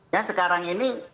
ya sekarang ini